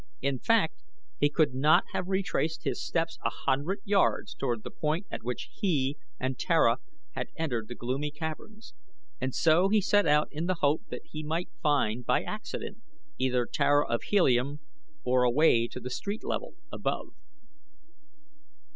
In fact, he could not have retraced his steps a hundred yards toward the point at which he and Tara had entered the gloomy caverns, and so he set out in the hope that he might find by accident either Tara of Helium or a way to the street level above.